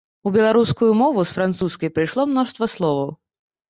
У беларускую мову з французскай прыйшло мноства словаў.